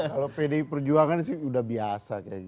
kalau pdi perjuangan sih udah biasa kayak gitu